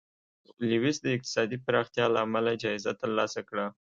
لویس د اقتصادي پراختیا له امله جایزه ترلاسه کړه.